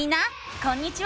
こんにちは！